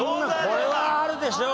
これはあるでしょう。